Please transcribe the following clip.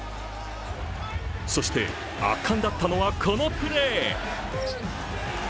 そして、圧巻だったのはこのプレー。